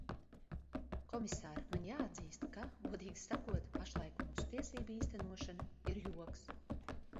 Komisār, man jāatzīst, ka, godīgi sakot, pašlaik mūsu tiesību īstenošana ir joks.